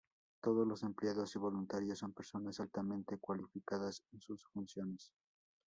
Todos los empleados y voluntarios son personas altamente cualificadas en sus funciones.